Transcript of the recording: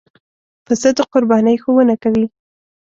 پسه د قربانۍ ښوونه کوي.